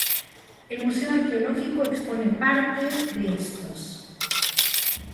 El Museo Arqueológico expone parte de estos.